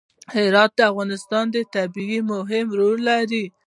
هرات د افغانستان په طبیعت کې مهم رول لري.